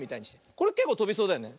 これけっこうとびそうだよね。